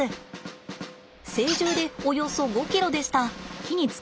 成獣でおよそ５ｋｇでした。